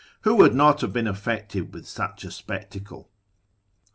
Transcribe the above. Who would not have been affected with such a spectacle?